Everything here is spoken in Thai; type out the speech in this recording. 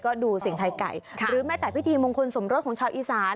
ก็ดูสิ่งไทยไก่หรือแม้แต่พิธีมงคลสมรสของชาวอีสาน